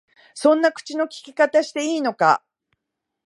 そんな口の利き方していいのか？